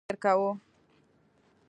هغه به تل د خپل تېر وخت په اړه فکر کاوه.